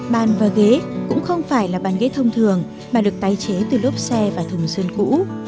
bàn và ghế cũng không phải là bàn ghế thông thường mà được tái chế từ lốp xe và thùng sơn cũ